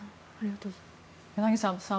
柳澤さん